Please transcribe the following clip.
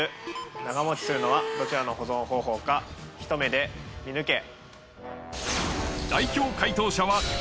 長持ちするのはどちらの保存方法かひと目で見抜け！